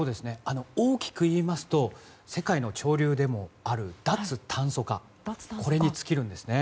大きく言いますと世界の潮流でもある脱炭素化に尽きるんですね。